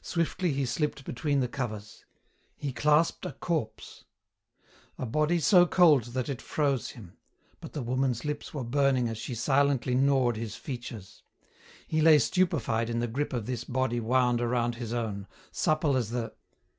Swiftly he slipped between the covers. He clasped a corpse; a body so cold that it froze him, but the woman's lips were burning as she silently gnawed his features. He lay stupified in the grip of this body wound around his own, supple as the